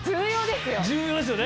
重要ですよ！